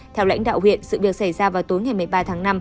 theo lãnh đạo huyện sự việc xảy ra vào tối ngày một mươi ba tháng năm